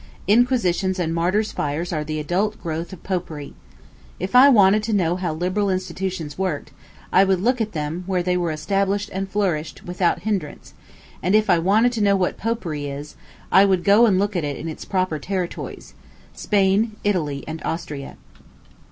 Inquisitions and martyrs' fires are the adult growth of Popery. If I wanted to know how liberal institutions worked, I would look at them where they were established and flourished without hinderance; and if I wanted to know what Popery is, I would go and look at it in its proper territories Spain, Italy, and Austria.